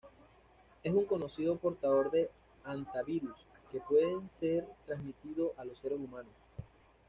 Es un conocido portador de hantavirus, que pueden ser trasmitido a los seres humanos.